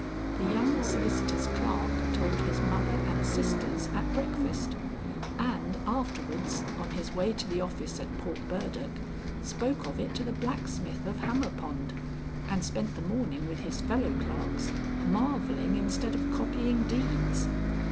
The young solicitor's clerk told his mother and sisters at breakfast, and, afterwards, on his way to the office at Portburdock, spoke of it to the blacksmith of Hammerpond, and spent the morning with his fellow clerks marvelling instead of copying deeds.